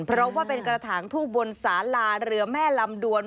เพราะว่าเป็นกระถางทูบบนสาลาเรือแม่ลำดวน